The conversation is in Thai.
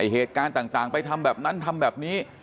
เหตุการณ์ต่างไปทำแบบนั้นทำแบบนี้